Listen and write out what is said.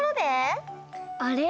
あれ？